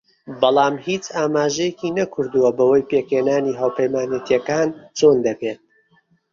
بەڵام هیچ ئاماژەیەکی نەکردووە بەوەی پێکهێنانی هاوپەیمانێتییەکان چۆن دەبێت